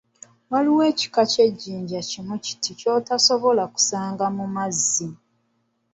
Waliwo ekika ky'ejjinja kimu kiti ky'otosobola kusanga mu mazzi.